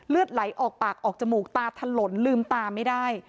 เลือดไหลออกปากออกจมูกตาถล่นลืมตาไม่ได้